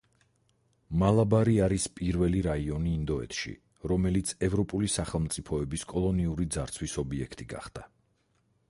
მალაბარი არის პირველი რაიონი ინდოეთში, რომელიც ევროპული სახელმწიფოების კოლონიური ძარცვის ობიექტი გახდა.